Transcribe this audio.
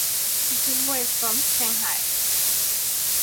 Zhuo is from Shanghai.